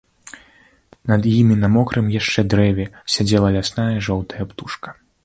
Над імі, на мокрым яшчэ дрэве, сядзела лясная жоўтая птушка.